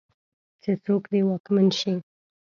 چې څوک دې واکمن شي.